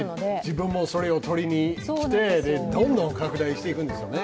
自分もそれを撮りに来て、どんどん拡大していくんですよね。